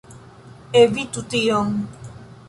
Evitu tion!